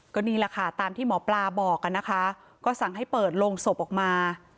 ก็นี่แหละค่ะตามที่หมอปลาบอกนะคะก็สั่งให้เปิดโรงศพออกมา